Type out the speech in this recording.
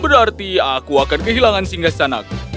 berarti aku akan kehilangan singgah sanaku